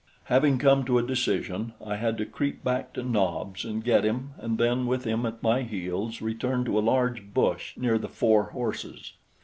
Having come to a decision, I had to creep back to Nobs and get him, and then with him at my heels return to a large bush near the four horses.